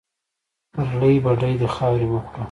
پرلې بډۍ دې خاورې مه خوره